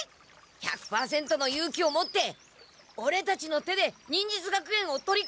１００％の勇気を持ってオレたちの手で忍術学園を取り返そう！